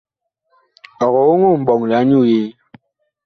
Ɔg oŋoo mɓɔŋle anyuu yee ?